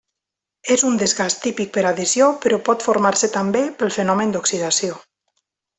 És un desgast típic per adhesió però pot formar-se també, pel fenomen d'oxidació.